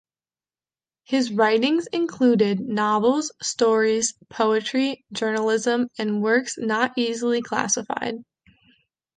His writings included novels, stories, poetry, journalism, and works not easily classified.